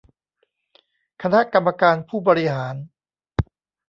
คณะกรรมการผู้บริหาร